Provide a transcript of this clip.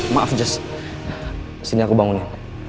maaf just sini aku bangunin